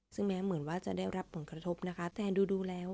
ซึ่งแม้เหมือนว่าจะได้รับผลกระทบนะคะแต่ดูแล้ว